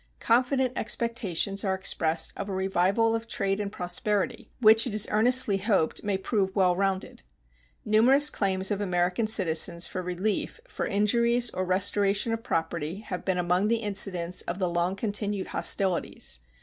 Confident expectations are expressed of a revival of trade and prosperity, which it is earnestly hoped may prove well rounded. Numerous claims of American citizens for relief for injuries or restoration of property have been among the incidents of the long continued hostilities.